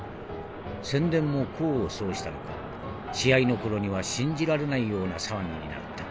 宣伝も功を奏したのか試合の頃には信じられないような騒ぎになった。